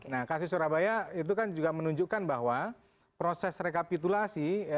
nah kasus surabaya itu kan juga menunjukkan bahwa proses rekapitulasi